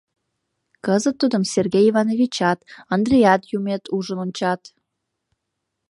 Кызыт тудым Сергей Ивановичат, Андреят юмет ужын ончат.